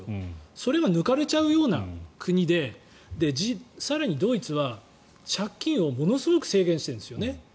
それは抜かれちゃうような国で更にドイツは借金をものすごく制限してるんですよね。